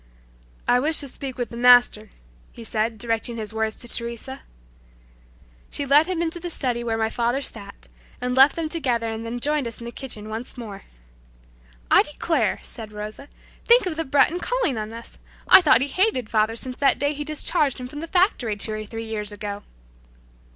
"I wish to speak with the Master," he said directing his words to Teresa. She led him into the study where my father sat, and left them together and then joined us in the kitchen once more. "I declare!" said Rosa. "Think of the Breton calling on us! I thought he hated father since that day he discharged him from the factory two or three years ago."